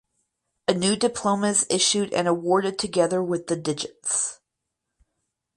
A new diploma is issued and awarded together with the digits.